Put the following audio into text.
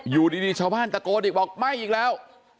อยู่ดีชาวบ้านตะโกนอีกบอกไม่อีกแล้ว